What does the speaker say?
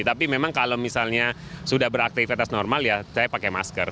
tapi memang kalau misalnya sudah beraktivitas normal ya saya pakai masker